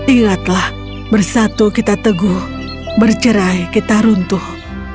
ingatlah bersatu kita teguh bercerai kita runtuh